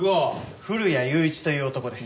古谷雄一という男です。